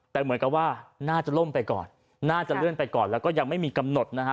แต่เหมือนกับว่าน่าจะล่มไปก่อนน่าจะเลื่อนไปก่อนแล้วก็ยังไม่มีกำหนดนะฮะ